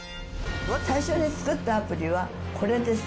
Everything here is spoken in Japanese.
最初に作ったアプリはこれです。